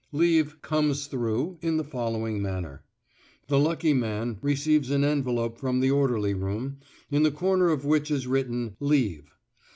Leave "comes through" in the following manner. The lucky man receives an envelope from the orderly room, in the corner of which is written "Leave."